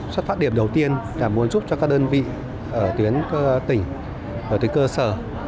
bệnh viện đa khoa tỉnh vĩnh phúc và bệnh viện đa khoa tỉnh bắc cạn